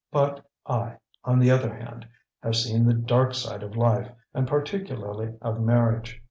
"But I, on the other hand, have seen the dark side of life, and particularly of marriage.